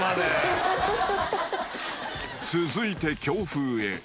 ［続いて強風へ］